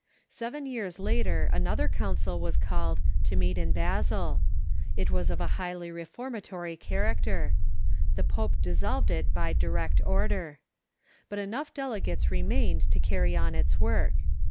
Seven years later another council was called, to meet in Basle. It was of a highly reformatory character. The pope dissolved it by direct order. But enough delegates remained to carry on its work.